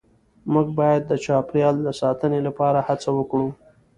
مونږ باید د چاپیریال د ساتنې لپاره هڅې وکړو